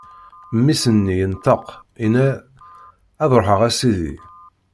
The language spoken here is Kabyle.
Mmi-s-nni yenṭeq, inna: Ad ṛuḥeɣ, a sidi!